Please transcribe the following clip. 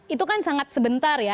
itu kan sangat sebentar ya